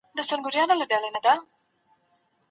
په تاریخي کتابونو کي ټول حقایق په بې پرې توګه نه وو لیکل سوي.